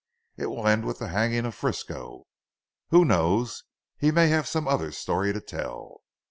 "It will end with the hanging of Frisco." "Who knows. He may have some other story to tell."